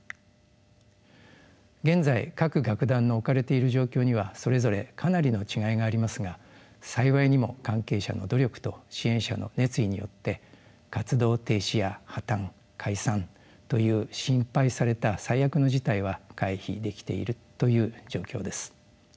現在各楽団の置かれている状況にはそれぞれかなりの違いがありますが幸いにも関係者の努力と支援者の熱意によって活動停止や破綻解散という心配された最悪の事態は回避できているという状況です。